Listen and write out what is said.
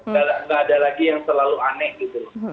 nggak ada lagi yang selalu aneh gitu